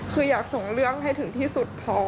คืออยากส่งเรื่องให้ถึงที่สุดพอ